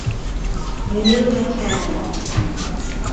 Neil McCann